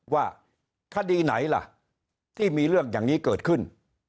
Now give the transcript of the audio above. ว่าคดีไหนล่ะที่มีเรื่องอย่างนี้เกิดขึ้น